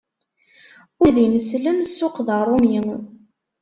Ul d ineslem, ssuq d aṛumi.